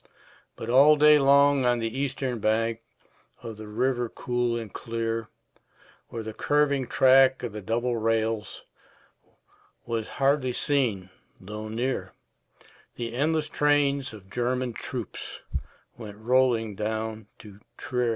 But all day long on the eastern bank Of the river cool and clear, Where the curving track of the double rails Was hardly seen though near, The endless trains of German troops Went rolling down to Trier.